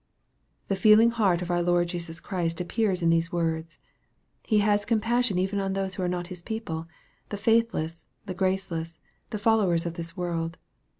The feeling heart of our Lord Jesus Christ appears in these words. He has compassion even on those who are not His people the faithless, the graceless, the followers of this world.